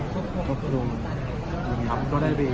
ก็ได้ไปพูดคุยกับแม่